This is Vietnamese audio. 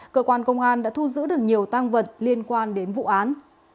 cơ quan công an đã thu giữ được nhiều tăng vật liên quan đến vụ án